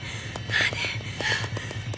何？